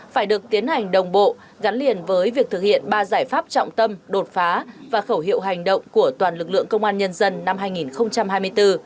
phải được tiến hành đồng bộ gắn liền với việc thực hiện ba giải pháp trọng tâm đột phá và khẩu hiệu hành động của toàn lực lượng công an nhân dân năm hai nghìn hai mươi bốn